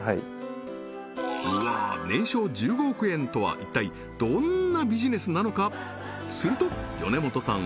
うわあ年商１５億円とは一体どんなビジネスなのかすると米本さん